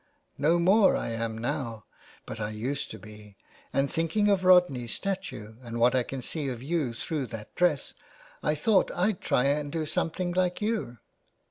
"* No more I am now, but I used to be ; and thinking of Rodney's statue and what I can see of you through that dress I thought I'd try and do something Hke you.'